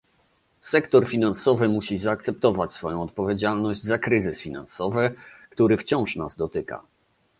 Sektor finansowy musi zaakceptować swoją odpowiedzialność za kryzys finansowy, który wciąż nas dotyka